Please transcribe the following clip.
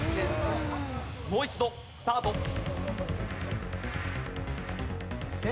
もう一度スタート。